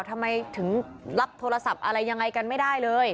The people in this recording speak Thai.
ทำไมถึงรับโทรศัพท์อะไรยังไงกันไม่ได้เลย